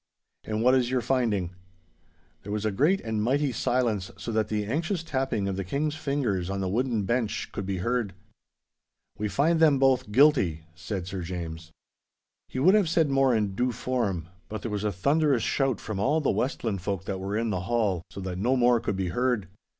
'And what is your finding?' There was a great and mighty silence so that the anxious tapping of the King's fingers on the wooden bench could be heard. 'We find them both GUILTY—' said Sir James. He would have said more in due form, but there was a thunderous shout from all the Westland folk that were in the hall, so that no more could be heard.